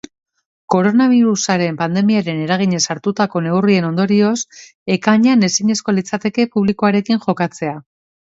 Koronabirusaren pandemiaren eraginez hartutako neurrien ondorioz, ekainean ezinezkoa litzateke publikoarekin jokatzea.